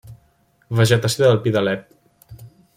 Vegetació de pi d'Alep.